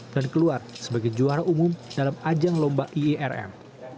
dan keluar sebagai juara umum dalam ajang lomba ierm